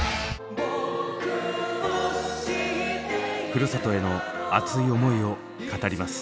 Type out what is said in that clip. ふるさとへの熱い思いを語ります。